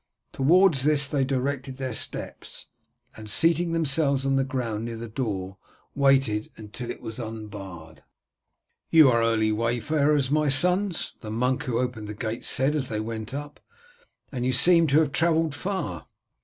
Towards this they directed their steps, and seating themselves on the ground near the door, waited until it was unbarred. "You are early wayfarers, my sons," the monk who opened the gates said as they went up, "and you seem to have travelled far."